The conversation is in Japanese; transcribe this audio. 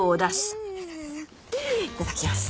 いただきます。